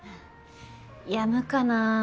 やむかなぁ。